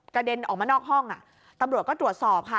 เด็นออกมานอกห้องตำรวจก็ตรวจสอบค่ะ